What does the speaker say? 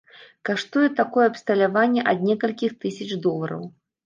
Каштуе такое абсталяванне ад некалькіх тысяч долараў.